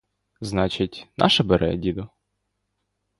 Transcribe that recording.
Значить, наша бере, діду?